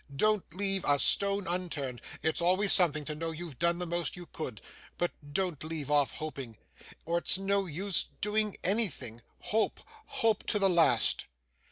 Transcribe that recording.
Don't leave a stone unturned. It's always something, to know you've done the most you could. But, don't leave off hoping, or it's of no use doing anything. Hope, hope, to the last!